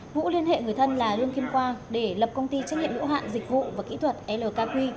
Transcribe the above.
vũ liên hệ người thân là lương kim quang để lập công ty trách nhiệm hữu hạn dịch vụ và kỹ thuật lk